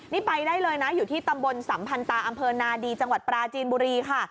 นี่ไปได้เลยนะอยู่ที่ตำบลสัมพันตาอำเภอนาดีจังหวัดปราจีนบุรีค่ะ